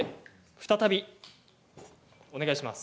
再びお願いします。